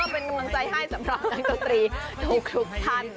เป็นกำลังใจให้สำหรับนักดนตรีทุกท่าน